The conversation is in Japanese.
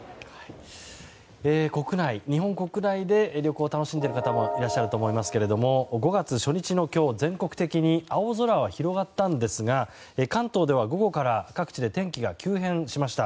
日本国内で旅行を楽しんでいる方もいらっしゃると思いますが５月初日の今日全国的に青空は広がったんですが関東では午後から各地で天気が急変しました。